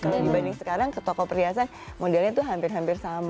kalau dibanding sekarang ke toko perhiasan modelnya itu hampir hampir sama